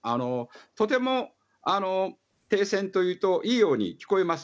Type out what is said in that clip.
とても停戦というといいように聞こえます。